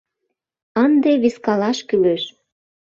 Ынде вискалаш кӱлеш.